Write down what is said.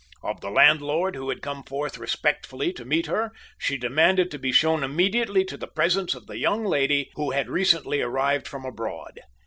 Of the landlord, who came forth respectfully to meet her, she demanded to be shown immediately to the presence of the young lady who had recently arrived from abroad.